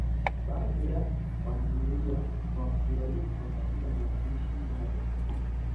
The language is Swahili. Baadhi ya wanafamilia hawakualikwa katika mazishi hayo